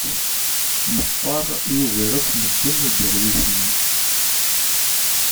Meqqer, yugar akk medden uderwic-nni.